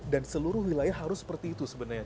dan seluruh wilayah harus seperti itu sebenarnya